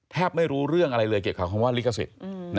ไม่รู้เรื่องอะไรเลยเกี่ยวกับคำว่าลิขสิทธิ์